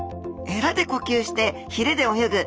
えらで呼吸してひれで泳ぐ。